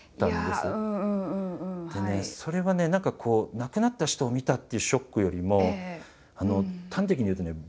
でねそれはね何かこう亡くなった人を見たっていうショックよりも端的に言うとねああ。